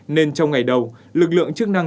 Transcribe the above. nên trong ngày đầu lực lượng chức năng